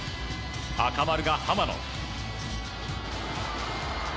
赤丸が浜野。